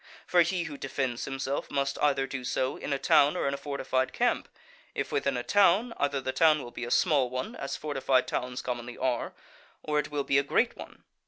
For he who defends himself must either do so in a town or in a fortified camp. If within a town, either the town will be a small one, as fortified towns commonly are, or it will be a great one.